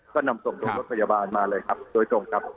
ก็นำส่งโรงพยาบาลมาเลยครับโดยตรงครับ